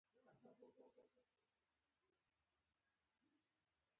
که درې واړه شاخصونه کم شي، اقتصادي پرمختیا رامنځ ته کیږي.